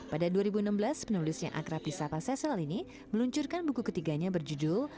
pada dua ribu enam belas penulis yang akrab di sapa sesel ini meluncurkan buku ketiganya berjudul